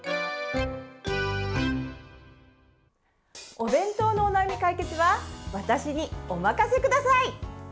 お弁当のお悩み解決は私にお任せください！